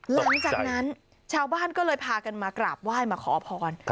หลังจากนั้นชาวบ้านก็เลยพากันมากราบไหว้มาขอพร